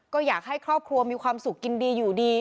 ก็อยากให้ครอบครัวมีความสุขกินดีอยู่ดี